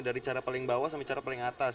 dari cara paling bawah sama cara paling atas